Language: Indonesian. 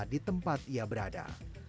di tempat ia berada